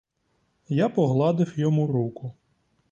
Я погладив йому руку.